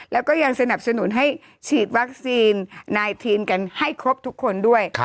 แล้วก็ยังสนับสนุนให้ฉีดวัคซีนไนทีนกันให้ครบทุกคนด้วย